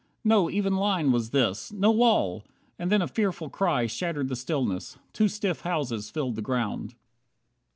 No even line Was this! No wall! And then a fearful cry Shattered the stillness. Two stiff houses filled the ground.